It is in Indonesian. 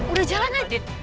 udah jalan aja